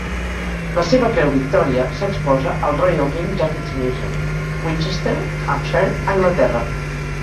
La seva Creu Victòria s'exposa al Royal Green Jackets Museum, Winchester, Hampshire, Anglaterra.